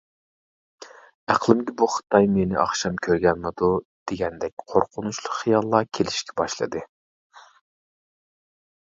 ئەقلىمگە بۇ خىتاي مېنى ئاخشام كۆرگەنمىدۇ دېگەندەك قورقۇنچلۇق خىياللار كېلىشكە باشلىدى.